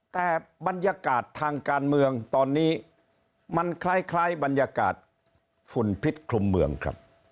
แต่บรรยากาศทางการเมืองตอนนี้มันคล้ายบรรยากาศฝุ่นพิษคลุมเมืองครับ